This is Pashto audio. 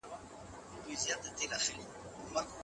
د ناروغ په شا کې درد د مسمومیت له اصلي نښو نه دی.